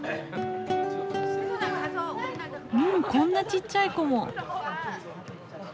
こんなちっちゃい子も！